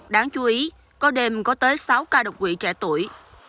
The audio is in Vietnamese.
đáng chú ý có đêm có tới sáu ca đột quỵ trẻ tuổi